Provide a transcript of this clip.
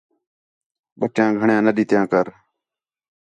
بٹیاں گھݨیاں نہ ݙِتّیاں کر